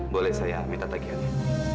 boleh saya minta tagihannya